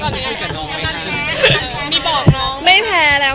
มีบอกน้องไหมครับ